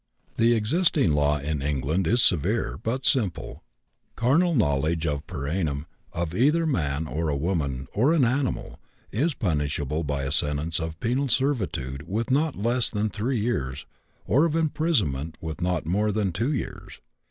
The existing law in England is severe, but simple. Carnal knowledge per anum of either a man or a woman or an animal is punishable by a sentence of penal servitude with not less than three years, or of imprisonment with not more than two years.